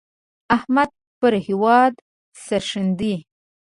احمد پر هېواد سرښندي.